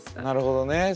なるほどね。